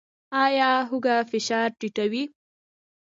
ایا هوږه فشار ټیټوي؟